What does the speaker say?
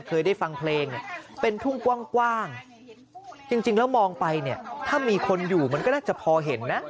เคยได้ฟังเพลงเนี่ยเป็นทุ่งกว้างจริงแล้วมองไปเนี่ยถ้ามีคนอยู่มันก็น่าจะพอเห็นนะ